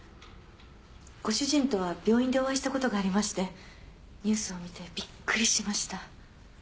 ご主人とは病院でお会いしたことがありましてニュースを見てビックリしました。